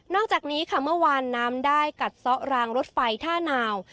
อกจากนี้ค่ะเมื่อวานน้ำได้กัดซ้อรางรถไฟท่านาว